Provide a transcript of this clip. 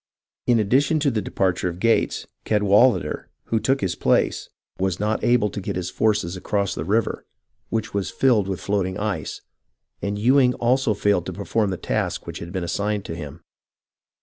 In addition to the depar ture of Gates, Cadwalader, who took his place, was not able to get his force across the river, which was filled with float ing ice, and Ewing also failed to perform the task which had been assigned to him.